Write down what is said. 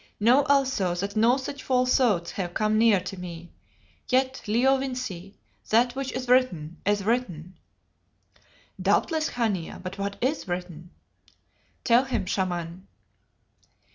Know also that no such foul thoughts have come near to me. Yet, Leo Vincey, that which is written is written." "Doubtless, Khania; but what is written?" "Tell him, Shaman."